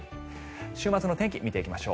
週末の天気見ていきましょう。